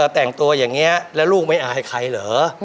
แต่งตัวอย่างนี้แล้วลูกไม่อายใครเหรอ